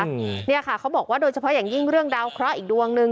อืมเนี่ยค่ะเขาบอกว่าโดยเฉพาะอย่างยิ่งเรื่องดาวเคราะห์อีกดวงหนึ่ง